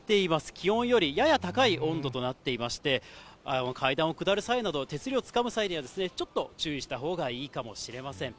気温よりやや高い温度となっていまして、階段を下る際など、手すりをつかむ際には、ちょっと注意したほうがいいかもしれません。